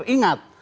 kita harus ingat